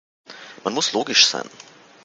Man muss logisch sein.